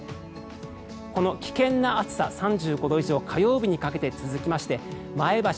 この危険な暑さ、３５度以上は火曜日にかけて続きまして前橋、